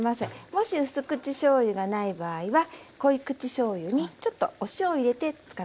もしうす口しょうゆがない場合は濃い口しょうゆにちょっとお塩を入れて使って下さい。